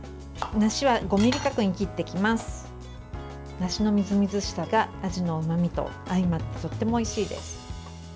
梨のみずみずしさがあじのうまみとあいまってとてもおいしいです。